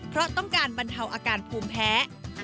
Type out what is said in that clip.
เพราะต้องการบรรเทาอาการภูมิแพ้